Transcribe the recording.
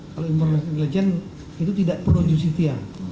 kalau informasi intelijen itu tidak pro justitia